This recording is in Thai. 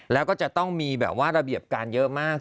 แล้วก็จะต้องมีแบบว่าระเบียบการเยอะมาก